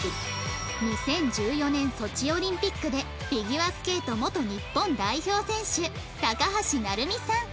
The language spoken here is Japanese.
２０１４年ソチオリンピックでフィギュアスケート元日本代表選手高橋成美さん